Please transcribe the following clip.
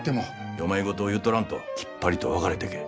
世まい言を言うとらんときっぱりと別れてけえ。